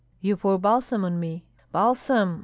"You pour balsam on me." "Balsam!